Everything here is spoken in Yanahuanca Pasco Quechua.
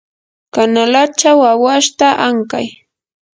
kanalachaw awashta ankay.